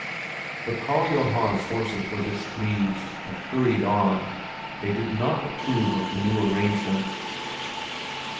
But Karl Johan's horses were displeased, and hurried on; they did not approve of the new arrangement.